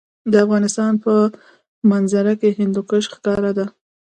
د افغانستان په منظره کې هندوکش ښکاره ده.